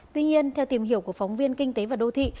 tuy nhiên theo tìm hiểu của phóng viên kinh tế và đô thị